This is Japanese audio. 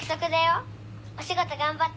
お仕事頑張ってね。